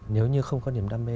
nếu như không có niềm đam mê